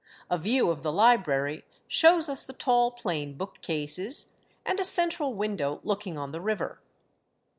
A view of the library shows us the tall plain book cases, and a central window looking on the river.